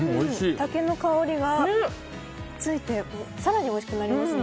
竹の香りがついて更においしくなりますね。